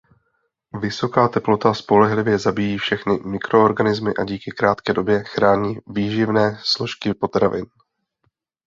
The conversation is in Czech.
Vysoká teplota spolehlivě zabíjí všechny mikroorganismy a díky krátké době chrání výživné složky potravin.